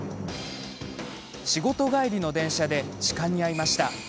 仕事帰りの電車で痴漢に遭いました。